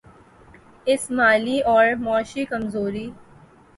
اس مالی اور معاشی کمزوری